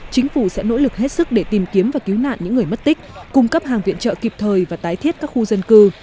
chính phủ sẽ nỗ lực hết sức để tìm kiếm và cứu nạn những người mất tích cung cấp hàng viện trợ kịp thời và tái thiết các khu dân cư